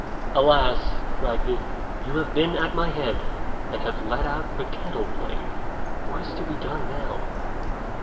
"Alas!" cried he, "you have been at my head, and have let out the Cattle Plague. What is to be done, now?"